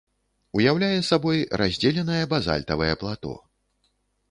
Уяўляе сабой раздзеленае базальтавае плато.